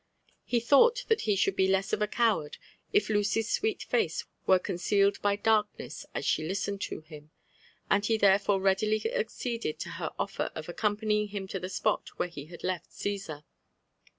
He thought that he should be less of a coward if Lucy's sweet face were concealed by darkness as she listened to him , and he therefore readily acceded to her offer of ac companying him to the spot where he had left Caesar.